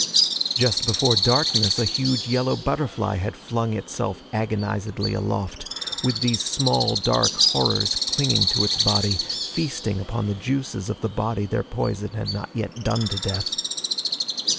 Just before darkness a huge yellow butterfly had flung itself agonizedly aloft, with these small dark horrors clinging to its body, feasting upon the juices of the body their poison had not yet done to death.